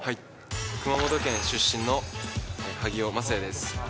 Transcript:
熊本県出身の萩尾匡也です。